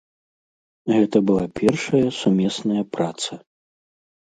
Гэта была першая сумесная праца.